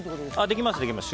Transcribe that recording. できます。